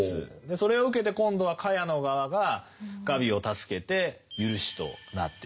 それを受けて今度はカヤの側がガビを助けて赦しとなっていく。